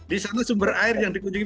di sana sumber air yang dikunjungi